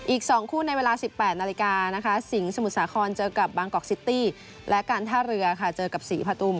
อีก๒คู่ในเวลา๑๘นาฬิกานะคะสิงห์สมุทรสาครเจอกับบางกอกซิตี้และการท่าเรือค่ะเจอกับศรีพตุม